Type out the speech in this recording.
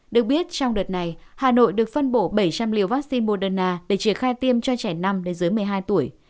được biết trong đợt này hà nội được phân bổ bảy trăm linh liều vaccine moderna để triển khai tiêm cho trẻ năm đến dưới một mươi hai tuổi